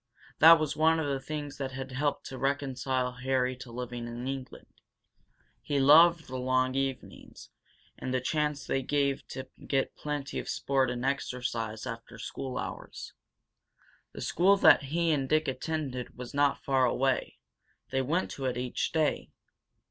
That was one of the things that had helped to reconcile Harry to living in England. He loved the long evenings and the chance they gave to get plenty of sport and exercise after school hours. The school that he and Dick attended was not far away; they went to it each day.